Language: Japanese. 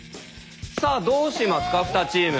さあどうしますか２チーム。